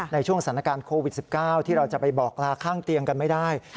ในช่วงสถานการณ์โควิด๑๙ที่เราจะไปบอกลาข้างเตียงกันไม่ได้